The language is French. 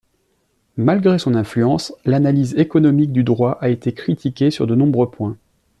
Malgré son influence, l’analyse économique du droit a été critiquée sur de nombreux points.